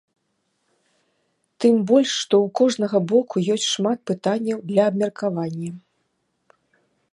Тым больш, што ў кожнага боку ёсць шмат пытанняў для абмеркавання.